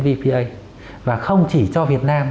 vpa và không chỉ cho việt nam